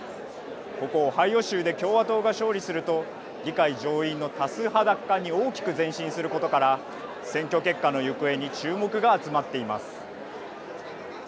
ここ、オハイオ州で共和党が勝利すると議会上院の多数派奪還に大きく前進することから選挙結果の行方に注目が集まっています。